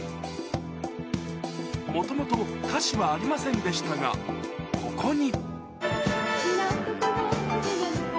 もともと歌詞はありませんでしたが、ここに。